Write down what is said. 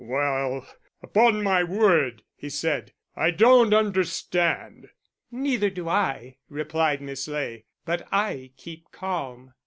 "Well, upon my word," he said, "I don't understand." "Neither do I," replied Miss Ley, "but I keep calm."